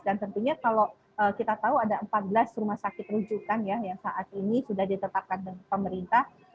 dan tentunya kalau kita tahu ada empat belas rumah sakit rujukan ya yang saat ini sudah ditetapkan oleh pemerintah